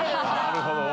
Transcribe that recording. なるほど。